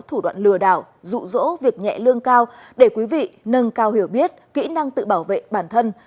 thủ đoạn lừa đảo rụ rỗ việc nhẹ lương cao để quý vị nâng cao hiểu biết kỹ năng tự bảo vệ bản thân